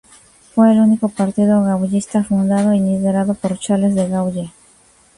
Fue el único partido gaullista fundado y liderado por Charles de Gaulle.